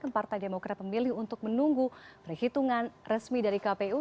partai demokrat memilih untuk menunggu perhitungan resmi dari kpu